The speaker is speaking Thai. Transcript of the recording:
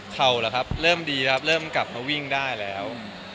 เหรอครับเริ่มดีครับเริ่มกลับมาวิ่งได้แล้ว